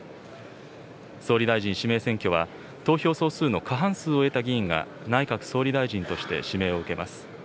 総理大臣指名選挙は、投票総数の過半数を得た議員が、内閣総理大臣として指名を受けます。